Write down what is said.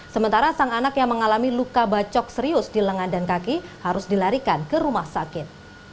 sementara sang anak yang mengalami luka bacok serius di lengan dan kaki harus dilarikan ke rumah sakit